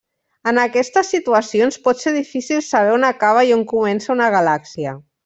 En aquestes situacions, pot ser difícil saber on acaba i on comença una galàxia.